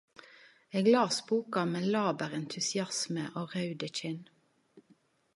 Eg las boka med laber entusiasme og raude kinn.